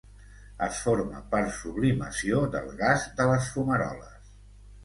Es forma per sublimació del gas de les fumaroles.